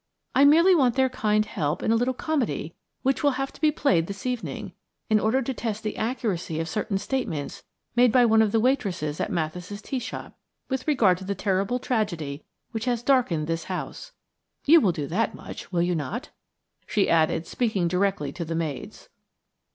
I merely want their kind help in a little comedy which will have to be played this evening, in order to test the accuracy of certain statements made by one of the waitresses at Mathis' tea shop with regard to the terrible tragedy which has darkened this house. You will do that much, will you not?" she added, speaking directly to the maids.